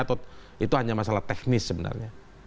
atau itu hanya masalah teknis sebenarnya